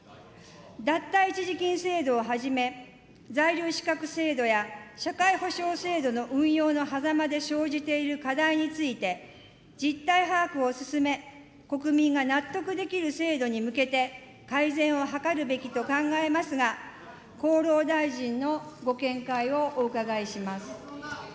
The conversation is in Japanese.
脱退一時金制度をはじめ、在留資格制度や社会保障制度の運用のはざまで生じている課題について、実態把握を進め、国民が納得できる制度に向けて、改善を図るべきと考えますが、厚労大臣のご見解をお伺いします。